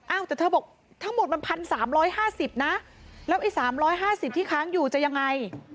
แต่เธอบอกทั้งหมดมัน๑๓๕๐นะแล้วไอ้๓๕๐ที่ค้างอยู่จะยังไง